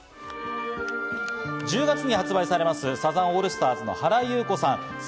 １０月に発売されます、サザンオールスターズの原由子さん